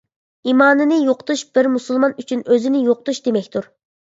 ئىمانىنى يوقىتىش بىر مۇسۇلمان ئۈچۈن ئۆزىنى يوقىتىش دېمەكتۇر.